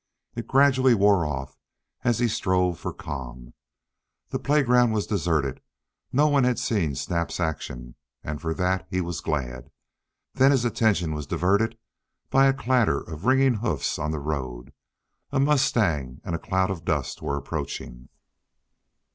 It gradually wore off as he strove for calm. The playground was deserted; no one had seen Snap's action, and for that he was glad. Then his attention was diverted by a clatter of ringing hoofs on the road; a mustang and a cloud of dust were approaching.